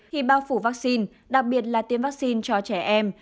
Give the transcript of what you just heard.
khi bao phủ vaccine đặc biệt là tiêm vaccine cho trẻ em